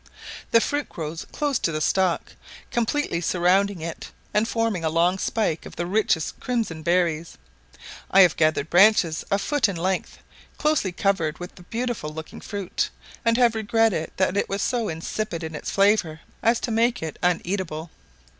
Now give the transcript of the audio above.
The fruit grows close to the stalk, completely surrounding it, and forming a long spike of the richest crimson berries. I have gathered branches a foot in length, closely covered with the beautiful looking fruit, and have regretted that it was so insipid in its flavour as to make it uneatable.